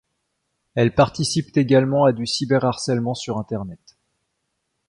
Elles participent également à du cyberharcèlement sur Internet.